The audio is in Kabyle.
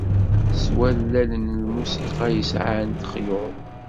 S wallalen n lmusiqa yesɛan lexyuḍ.